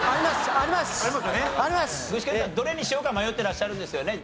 具志堅さんどれにしようか迷ってらっしゃるんですよね？